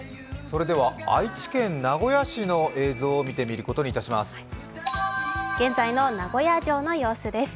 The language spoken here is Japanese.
愛知県名古屋市の映像を見てみることにいたします。